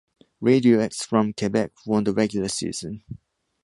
Radio X from Quebec won the regular season.